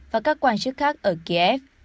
và các quan chức khác ở kiev